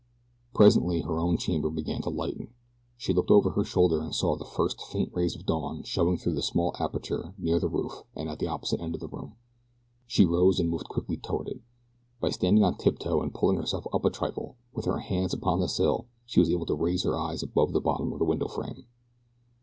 Presently her own chamber began to lighten. She looked over her shoulder and saw the first faint rays of dawn showing through a small aperture near the roof and at the opposite end of the room. She rose and moved quickly toward it. By standing on tiptoe and pulling herself up a trifle with her hands upon the sill she was able to raise her eyes above the bottom of the window frame.